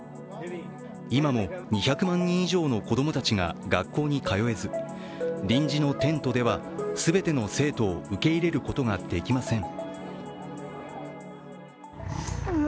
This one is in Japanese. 今も２００万人以上の子供たちが学校に通えず、臨時のテントでは全ての生徒を受け入れることができません。